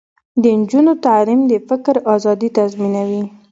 د نجونو تعلیم د فکر ازادي تضمینوي.